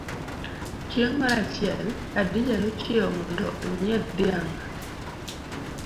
Chieng' moro achiel, Hadija nochiewo mondo onyiedh dhiang.